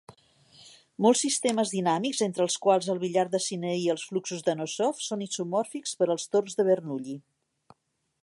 Molts sistemes dinàmics, entre els quals el billar de Sinaí i els fluxos d'Anosov són isomòrfics per als torns de Bernoulli.